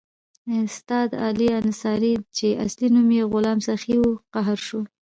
استاد علي انصاري چې اصلي نوم یې غلام سخي وو قهر شو.